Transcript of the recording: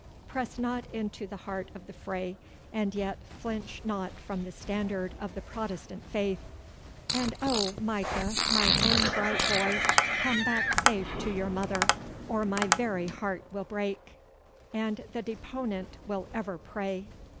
Press not into the heart of the fray, and yet flinch not from the standard of the Protestant faith. 'And oh, Micah, my own bright boy, come back safe to your mother, or my very heart will break! 'And the deponent will ever pray.